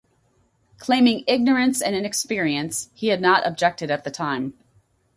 Claiming ignorance and inexperience, he had not objected at the time.